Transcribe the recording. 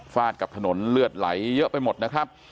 กับถนนเลือดไหลเยอะไปหมดนะครับ